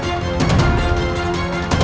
telah memimpin dari anak anak